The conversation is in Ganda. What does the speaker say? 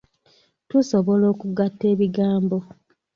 Tusobola okugatta ebigambo.